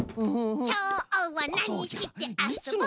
きょうはなにしてあそぼっかなっと。